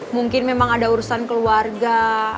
mungkin memang ada urusan keluarga